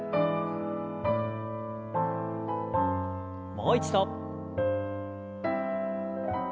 もう一度。